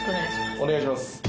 お願いします。